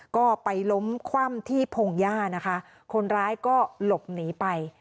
ก็ไปล้มคว่ำที่พงหญ้านะคะคนร้ายก็หลบหนีไป